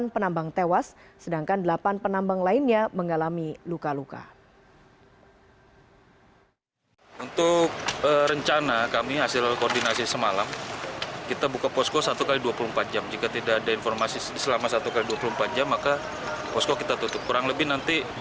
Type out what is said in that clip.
delapan penambang tewas sedangkan delapan penambang lainnya mengalami luka luka